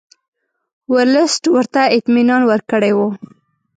ورلسټ ورته اطمینان ورکړی وو.